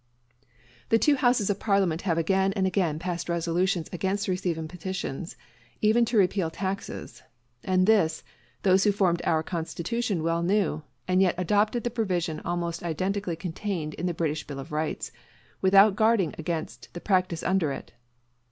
The two Houses of Parliament have again and again passed resolutions against receiving petitions even to repeal taxes; and this, those who formed our Constitution well knew, and yet adopted the provision almost identically contained in the British Bill of Rights, without guarding against the practice under it.